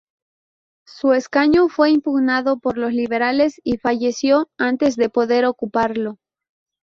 Su escaño fue impugnado por los liberales y falleció antes de poder ocuparlo.